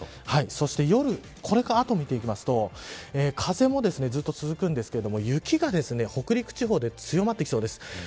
そして夜これから後を見ていくと風もずっと続くんですけど雪が北陸地方で強まってきそうです。